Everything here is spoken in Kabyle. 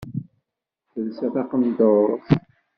Telsa taqendurt.